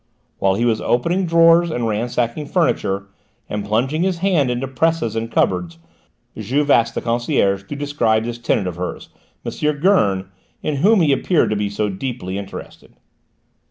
While he was opening drawers and ransacking furniture, and plunging his hand into presses and cupboards, Juve asked the concierge to describe this tenant of hers, M. Gurn, in whom he appeared to be so deeply interested.